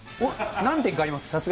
何点かあります。